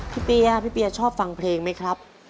เปียพี่เปียชอบฟังเพลงไหมครับ